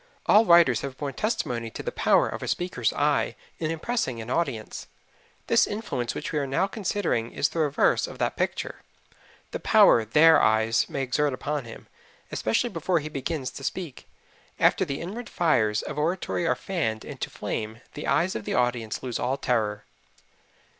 All writers have borne testimony to the power of a speaker's eye in impressing an audience. This influence which we are now considering is the reverse of that picture the power their eyes may exert upon him, especially before he begins to speak: after the inward fires of oratory are fanned into flame the eyes of the audience lose all terror.